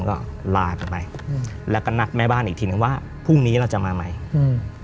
ก็ลากันไปอืมแล้วก็นัดแม่บ้านอีกทีนึงว่าพรุ่งนี้เราจะมาใหม่อืม